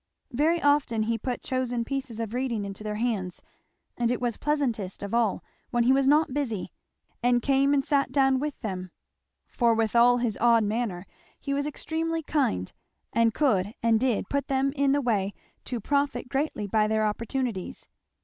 Very often he put chosen pieces of reading into their hands; and it was pleasantest of all when he was not busy and came and sat down with them; for with all his odd manner he was extremely kind and could and did put them in the way to profit greatly by their opportunities.